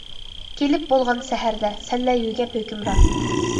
كېلىپ بولغان سەھەردە، سەللە يۆگەپ ھۆكۈمران.